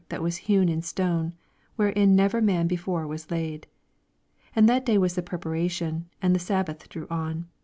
that was hewn in Btone, wherein never man before was laid. 54 And that day was the prepara tion, and the Sabbath drew on.